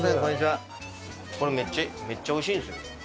めっちゃおいしいんですよ